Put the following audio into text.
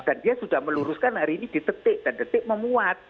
dan dia sudah meluruskan hari ini ditetik dan detik memuat